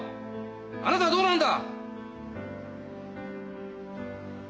あなたはどうなんだ！？